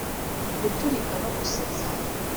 guturika no gusetsa-